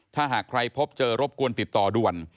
ถ้าหากใครพบเจอรบกวนติดต่อด่วน